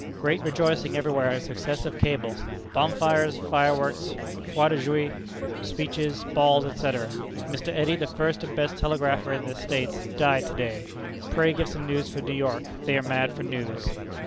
Great rejoicing everywhere at success of cable. Bonfires, fireworks, feux de joie, speeches, balls, etc. Mr. Eddy, the first and best telegrapher in the States, died to day. Pray give some news for New York; they are mad for news."